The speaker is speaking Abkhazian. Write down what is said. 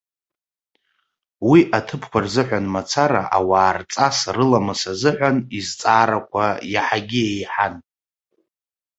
Уи аҭыԥқәа рзыҳәан мацара, ауаа рҵас, рыламыс азыҳәан изҵаарақәа иаҳагьы еиҳан.